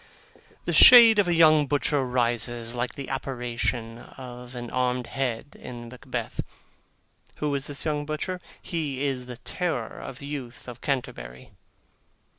The shade of a young butcher rises, like the apparition of an armed head in Macbeth. Who is this young butcher? He is the terror of the youth of Canterbury.